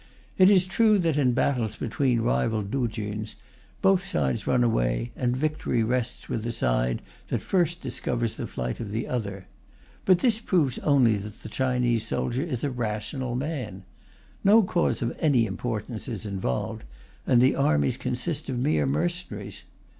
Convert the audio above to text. It is true that, in battles between rival tuchuns, both sides run away, and victory rests with the side that first discovers the flight of the other. But this proves only that the Chinese soldier is a rational man. No cause of any importance is involved, and the armies consist of mere mercenaries.